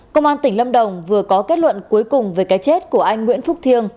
công an tỉnh lâm đồng vừa có kết luận cuối cùng về cái chết của anh nguyễn phúc thiêng